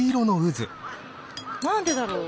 なんでだろう？